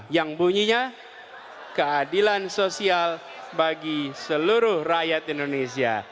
yang bunyinya keadilan sosial bagi seluruh rakyat indonesia